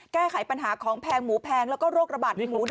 แก้ไขปัญหาของแพงหมูแพงแล้วก็โรคระบาดหมู